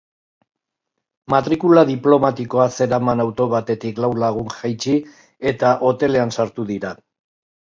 Matrikula diplomatikoa zeraman auto batetik lau lagun jaitsi, eta hotelean sartu dira.